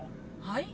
はい？